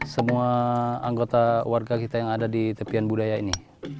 semua anggota warga kita yang ada di tepian budaya ini